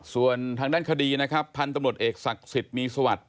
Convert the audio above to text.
ส่วนทางด้านคดีนะครับพันธุ์ตำรวจเอกศักดิ์สิทธิ์มีสวัสดิ